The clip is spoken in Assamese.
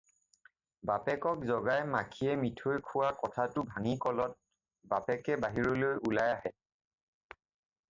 বাপেকক জগাই মাখিয়ে মিঠৈ খোৱা কথাটো ভাঙি ক'লত বাপেকে বাহিৰলৈ ওলাই আহে